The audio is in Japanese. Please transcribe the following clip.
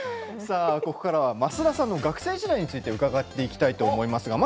ここからは増田さんの学生時代について伺っていきます。